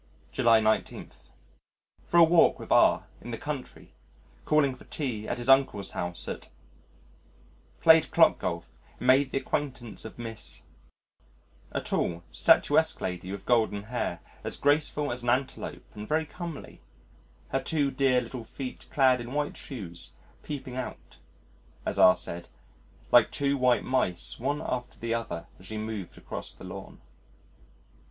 July 19. For a walk with R in the country, calling for tea at his Uncle's house at . Played clock golf and made the acquaintance of Miss , a tall, statuesque lady, with golden hair, as graceful as an antelope and very comely, her two dear little feet clad in white shoes peeping out (as R said) like two white mice one after the other as she moved across the lawn.